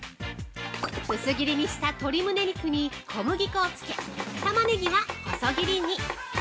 ◆薄切りにした鶏むね肉に小麦粉をつけ、玉ねぎは細切りに。